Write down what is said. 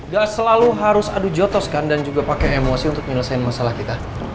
gak selalu harus adu jotos kan dan juga pakai emosi untuk menyelesaikan masalah kita